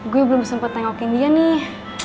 gue belum sempat tengokin dia nih